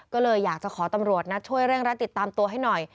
ก็เลยอยากจะขอตำรวจนะช่วยเร่งรัดติดตามตัวให้หน่อย